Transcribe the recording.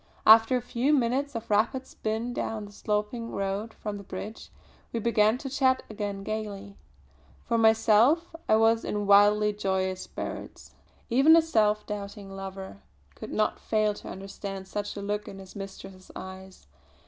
After a few minutes of rapid spin down the sloping road from the bridge, we began to chat again gaily. For myself I was in wildly joyous spirits. Even a self doubting lover could not fail to understand such a look in his mistress's eyes.